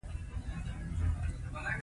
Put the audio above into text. د فنګسي ناروغیو لپاره کوم درمل ښه دي؟